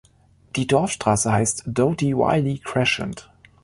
Die Dorfstraße heißt Doughty-Wylie Crescent.